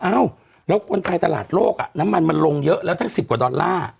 อ้าวแล้วคนไทยตลาดโลกน้ำมั่นมันลงเยอะแล้วด้านประมาณสิบกว่าดอลลาร์